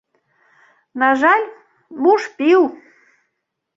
На жаль, муж піў.